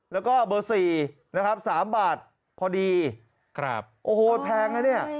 แล้วก็เบอร์๔๓บาทพอดีโอ้โหแพงนะเนี่ย